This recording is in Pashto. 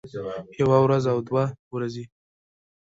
يوه وروځه او دوه ورځې